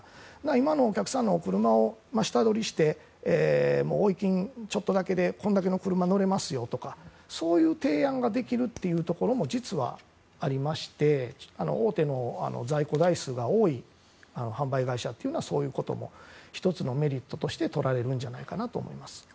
今のお客さんのお車を下取りして追い金をちょっとだけでこれだけの車に乗れますよ、とかそういう提案ができるというのも実はありまして大手の在庫台数が多い販売会社というのはそういうことも１つのメリットとして取られるんじゃないかと思います。